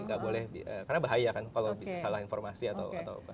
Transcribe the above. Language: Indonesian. karena bahaya kan kalau salah informasi atau apa